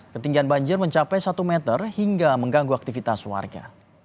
ketinggian banjir mencapai satu meter hingga mengganggu aktivitas warga